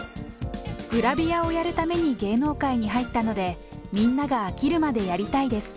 グラビアをやるために芸能界に入ったので、みんなが飽きるまでやりたいです。